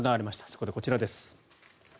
そこでこちらです。